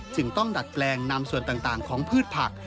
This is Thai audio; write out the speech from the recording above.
จึงต้องดัดแปลงนำส่วนต่างของพืชผัก